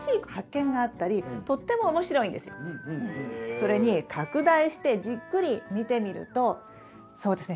それに拡大してじっくり見てみるとそうですね